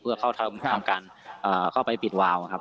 เพื่อเข้าไปปิดวาวครับ